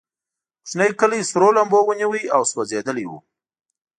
کوچنی کلی سرو لمبو ونیو او سوځېدلی و.